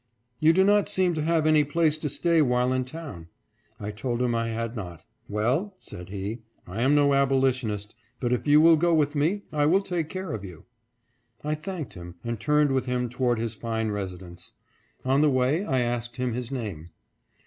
" You do not seem to have any place to stay while in town." I told him I had not. " Well," said he, " I am no aboli tionist, but if you will go with me I will take care of you." I thanked him, and turned with him toward his fine residence. On the way I asked him his name.